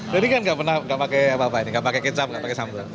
jadi kan gak pakai apa apa ini gak pakai kecap gak pakai sambal